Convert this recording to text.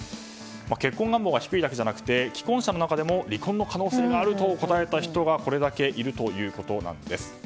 結婚願望が低いだけじゃなくて既婚者の中でも離婚の可能性があると答えた人がこれだけいるということなんです。